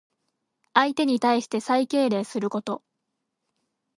相手に対して最敬礼すること。